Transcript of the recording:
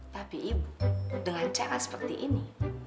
tapi ibu dengan cara seperti ini